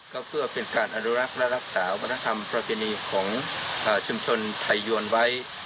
ก็เป็นการอนุรักษ์และรักษาวัฒนธรรมพรของชมชนไทยยวนไว้